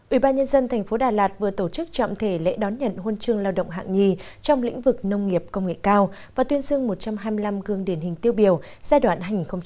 ủy ban nhân dân thành phố đà lạt vừa tổ chức trọng thể lễ đón nhận hôn trương lao động hạng nhì trong lĩnh vực nông nghiệp công nghệ cao và tuyên sương một trăm hai mươi năm gương điển hình tiêu biểu giai đoạn hai nghìn một mươi ba hai nghìn một mươi tám